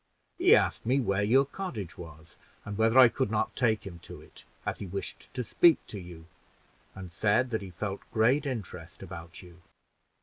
He asked me where your cottage was, and whether I could take him to it, as he wished to speak to you, and said that he felt great interest about you."